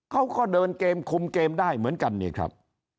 เขาก็เดินเกมคุมเกมได้เหมือนกันนี่ครับ